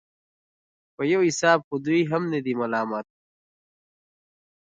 په يو حساب خو دوى هم نه دي ملامت.